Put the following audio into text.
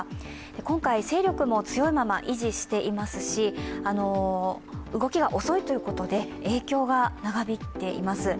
今回、勢力も強いまま維持していますし、動きが遅いということで影響が長引いています。